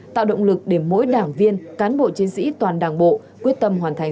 tạo động lực để mỗi đảng viên cán bộ chiến sĩ toàn đảng bộ quyết tâm hoàn thành